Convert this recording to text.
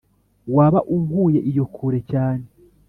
waba unkuye iyo kure cyane.